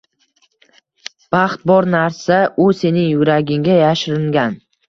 Baxt bor narsa, u sening yuragingga yashiringan